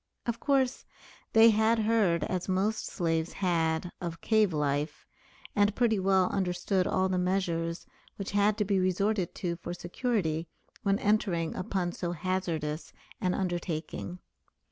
Of course they had heard, as most slaves had, of cave life, and pretty well understood all the measures which had to be resorted to for security when entering upon so hazardous an undertaking.